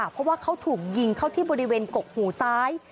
เพราะว่าเขาถูกยิงเข้าที่บริเวณกกหูซ้าย